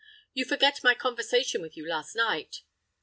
"You forget my conversation with you last night!"